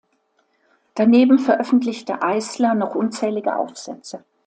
Daneben veröffentlichte Eissler noch unzählige Aufsätze.